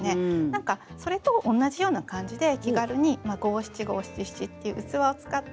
何かそれと同じような感じで気軽に五七五七七っていう器を使って乗せてもらう。